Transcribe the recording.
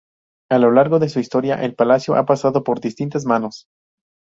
A lo largo de su historia el palacio ha pasado por distintas manos.